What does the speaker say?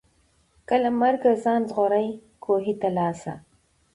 که له مرګه ځان ژغورې کوهي ته راسه